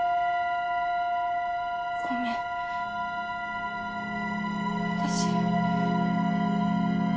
ごめん私。